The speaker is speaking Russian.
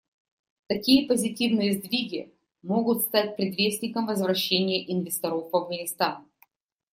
Такие позитивные сдвиги могут стать предвестником возвращения инвесторов в Афганистан.